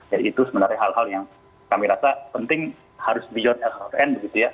jadi itu sebenarnya hal hal yang kami rasa penting harus beyond rrn begitu ya